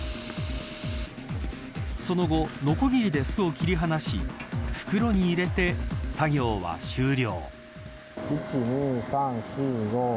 その後、のこぎりで巣を切り離し袋に入れて作業は終了。